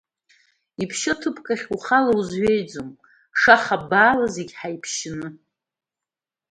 Иԥшьоу ҭыԥкахь ухала узҩеиӡом, шаха баала зегьы ҳаиԥшьны…